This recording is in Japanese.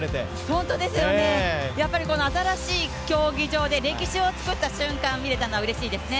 本当ですよね、新しい競技場で歴史を作った瞬間を見れたのはうれしいですね。